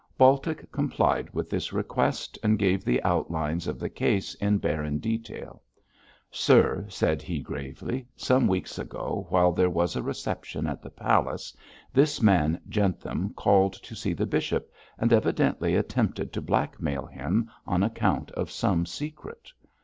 Baltic complied with this request and gave the outlines of the case in barren detail. 'Sir,' said he, gravely, 'some weeks ago, while there was a reception at the palace, this man Jentham called to see the bishop and evidently attempted to blackmail him on account of some secret.